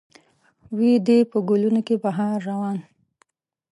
وي دې په ګلونو کې بهار روان